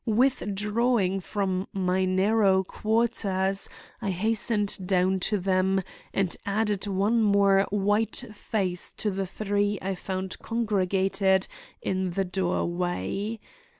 Withdrawing from my narrow quarters I hastened down to them and added one more white face to the three I found congregated in the doorway.